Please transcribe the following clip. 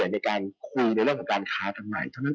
ในการคุยเรื่องการค้าทางใหม่เท่านั้นเอง